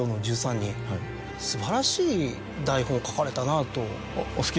素晴らしい台本を書かれたなと。